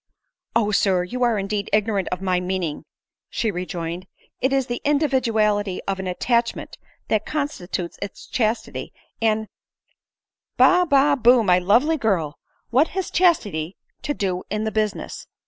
" O Sir ! you are indeed ignorant of my meaning," she rejoined ;" it .is the individuality of an attachment that constitutes its chastity ; and "" Ba ba bu, my lovely girl ! what has chastity to do in the business